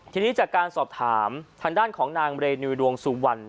ทีนี้จากการสอบถามทางด้านของนางเรนูดวงสุวรรณ